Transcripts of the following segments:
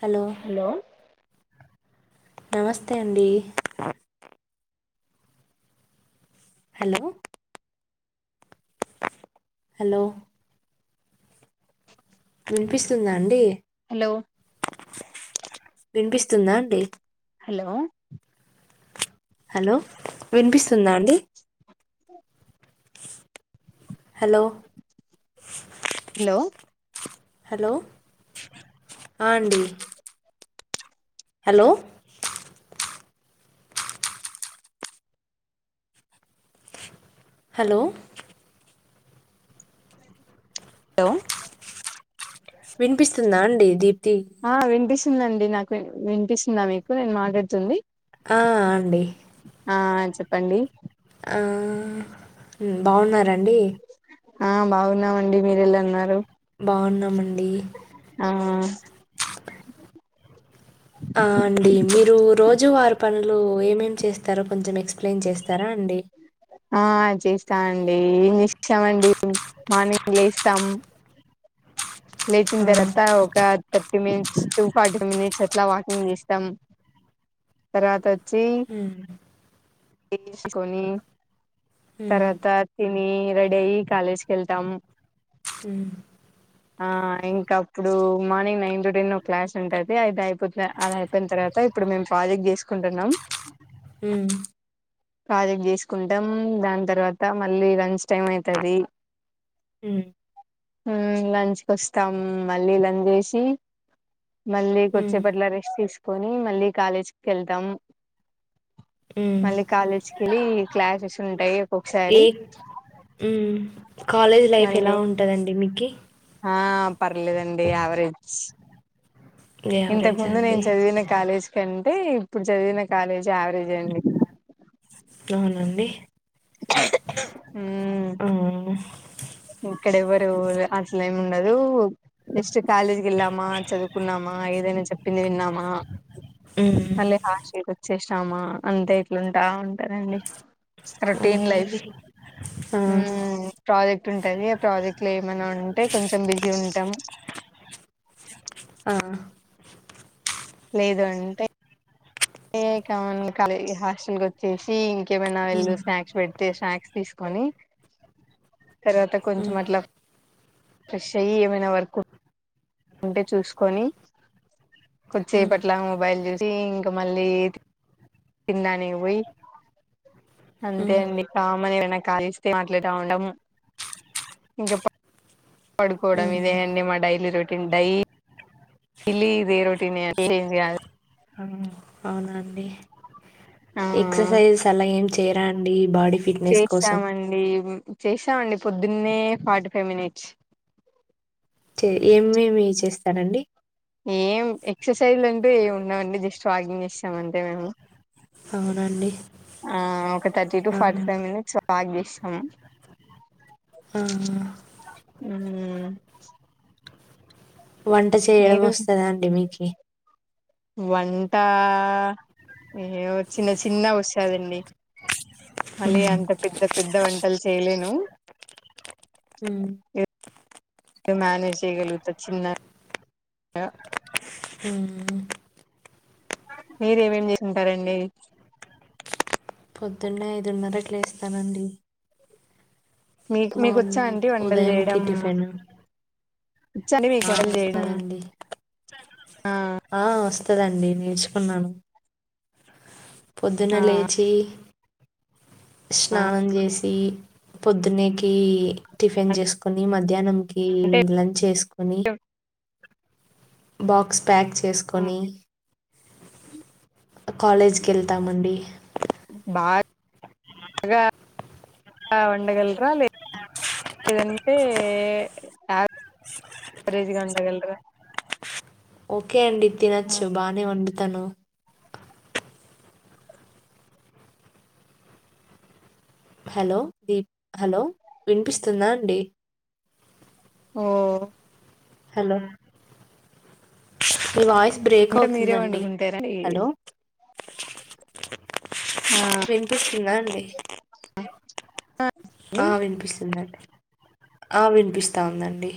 Hello నమస్తే అండి hello hello వినిపిస్తుందా అండి హలో వినిపిస్తుందా అండి హలో హలో విన్పిస్ తుందా అండి. హెలో లో హలో ఆ అండి హెలో హలో లో విన్పిస్తుందా అండి దీప్తి తుందండి నాకు వినిపిస్తుందా మీకు నేను మాటాడుతుంది ఆ అండి ఆ చెప్పండి ఆ బావున్నారా డి ఆ బావున్నామండి మీరు ఎల ఉన్నారు బావున్నామన్ ఆ ఆ అండి మీరు రోజ్ రోజు వారు పనులు ఏమేం చేస్తారో కొంచెం ఎక్స్ప్లెయిన్ చేస్తారా అండి ఆ చేస్తాఅండీ ఏం చేస్తామండి మార్నింగ్ లేస్తాం లేచిన ఆ తర్వాత ఒక thirty minutes to forty minutes ఎట్లా వాకింగ్ చేస్తాం తర్వాత హ్మ్ తీసుకొని మ్మ్ తర్వాత తిన్ రెడీ అయ్యి కాలేజ్ కి వెళ్తాం ఊ ఆ ఇంకా అప్పుడు మార్నింగ్ నైన్ టు టెన్ ఒక క్లాస్ ఉంటది అది అయిపోతు అది అయిపోయిన తర్వాత ఇప్పుడు మేము ప్రాజెక్ట్ చేసుకుంటున్నాం. ఉమ్ ప్రాజెక్ట్ చేసుకుంటాం దాన్ తర్వాత మళ్ళీ లంచ్ టైం ఉమ్ లోచ్కోస్తాం మళ్ళీ లంచ్ చేసి! మళ్ళీ కోచే మ్మ్ పట్ల రెస్ట్ తీసుకు పోని మళ్ళీ కాలేజ్ కి వెళ్తాం. హ్మ్ మల్లి కాలేజ్ కెల్లి. క్లాసెస్ ఉంటాయి. ఏ ఒక్కొక్కసారి ఉమ్. మళ్ళీ ఆ పర్లేదండి యావరేజ్. ఇంతకు యావరేజా ముందు నేను అండి? చదివిన కాలేజ్. కంటే ఇప్పుడు చదివిన కాలేజీ యావరేజ్ అండి. అవునండి. ఉమ్ ఆ! ఇక్కడ ఎవరు అసలేం ఉండదు. ధూవ్ జస్ట్ కాలేజీకి వెళ్ళామా, చదువుకున్నామా, ఏదైనా చెప్పింది విన్నామా హ్మ్. మళ్ళీ హాస్టల్ కోచెస్ నామా అంతే ఇట్లుం ఉంటా రండి రోటీన్ లైఫ్ ఓకేండి. ఆ! ఉమ్ ప్రాజెక్ట్! ఒకటంది ఆ ప్రాజెక్ట్ లో ఏమన్నా ఉంటే కొంచెం బిజీ ఉంటాం ఆ లేదు అంటే? ఏ కా క హాస్టల్ కోచ్చేసి ఇం ఏమైనా వీళ్ళు హ్మ్. స్నాక్స్ పెడితే స్నాక్స్ తీసుకొని! తర్వాత కొంచెం హ్మ్. అట్లా, ఫ్రెస్ఐఈ ఏమైన వర్క్ ఉంటే చూసుకొని! కోచెప్ హ్మ్. పట్లా మొబైల్ జ్యూస్ ఎధి ఇంకా మళ్ళీ తిండానికి పోయి అంతే హ్మ్. అండి కామన్. ళ ఇస్తే మాట్లాడు ఉండము ఇంక పడుకోవడం హ్మ్. ఇదే అండీ అన్నీ మా డైలీ రో పిండాయి ఇలీ ఇదే రొటీన్ ఏంచేయాలి మ్మ్ అవునా అండి ఆ ఎక్సర్‌సైజ్ అలా చేరండి చేశామండి, చేశామండి. పొద్దున్నే ఫార్టీ ఫైవ్ మినిట్స్ చే ఏమేమి చేస్తారండి ఏం ఎక్సర్‌సైజులు అంటూ ఏమి ఉండవండి జస్ట్ వాకింగ్ చేస్తం మంతే మేము అవునా అండి? ఆ ఒక థర్టీ టు ఆ! ఫార్టీ ఫైవ్ మినిట్స్ వాక్ చేస్ సమ్ ఆ హ్మ్ వంట చేయడం వస్తదా అండి మీకి ఏ వంటా ఏవో చిన్న చిన్న వచ్చాదండి మళ్ళీ హ్మ్. అంత పెద్ద పెద్ద వంటలు చేయలేను మ్మ్ మ్మ్ మ్యానేజ్ చేయగలుగుత చిన్న అ హ్మ్మ్ మీరు ఏమేమి చేసుంటారండి పొద్దున్నే ఐదున్నరకి లేస్తానండి. మీకు మీకు వచ్చా మార్నింగ్ అంటే వంటలు ఉదయంకి చేయడం టిఫిన్ వచ్చా ఆ, మీకు వంటలు చేయడం వస్తదండి ఆ ఆ, వస్తదండి నేర్చుకున్నాను పొద్దున ఆ లేచి ఆ స్నానం చేసి పొద్దున్నకి టిఫిన్ చేసుకుని మధ్యాహ్నం కి అంటే లంచ్ చేస్ అని బాక్స్ ప్యాక్ చేసుకొని కాలేజ్కి ఎళ్తామండి బాగా వండగలరా లే లేదంటే యావరేజ్గా వండగలరా ఓకే అండి తినొచ్చు బానే ఉండి తను హలో దీప్ హలో వినిపిస్తుందా అండి ఓ హలో నివాయిస్ బ్రేక్ అంటే మీరే అవుతుందండి వండుకుంటారా హలో వినిపిస్తుందా అండి అండి ఆ వినిపిస్తుందండి ఆ వినిపిస్తా ఉందండి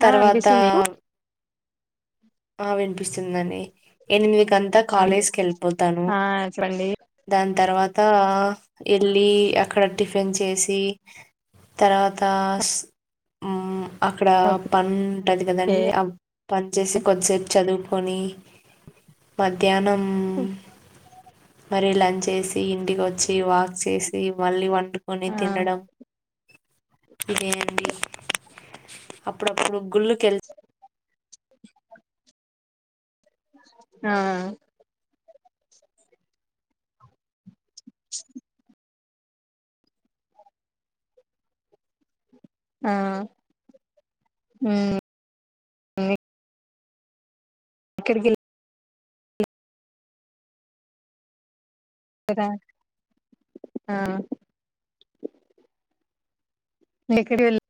ఆ ఆ తర్వాతా వినిపిస్తుంది మీకు ఆ వినిపిస్తుంది అండి ఎనిమిది కంతా కాలేజ్ కి వెళ్ళిపోతాను ఆ చెప్పండి దాని తర్వాత తఅ ఏళ్ళి అక్కడ టిఫిన్ చేసి తర్వాత ఉమ్ అక్కడ ఓకే పని ఉంటది కదండి ఆ పని చేసి సేపు చదువుకొని మధ్య ధ్యానం మరి లంచ్ చేసి ఇంటికి వోచ్చి వాక్ చేసి ఈ మళ్ళీ వన్ కొని ఆ తినడం ఇదేంది అప్పుడప్పుడు గుళ్ళు కెళ్ ఆ ఆ ఉమ్ ఉ ఎక్కడికి వేల్ కదా ఆ డి ఏక్కడికి వెళ్ళ్